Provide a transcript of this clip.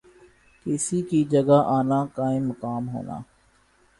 کسی کی جگہ آنا، قائم مقام ہونا